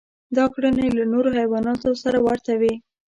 دا کړنې له نورو حیواناتو سره ورته وې.